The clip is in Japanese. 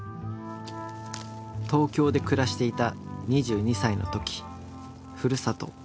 東京で暮らしていた２２歳の時ふるさと